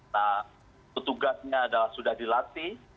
nah petugasnya adalah sudah dilatih